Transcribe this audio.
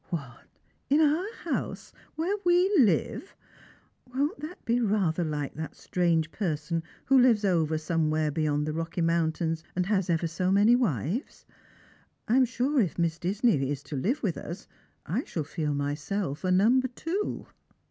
•' "What, in our house, where we live ! Won't that be rather like that strange person who lives over somewhere beyond the Rocky Mountains, and has ever so many wives ? I'm sure, if Miss Disney is to live with us, I shall feel myself a number two."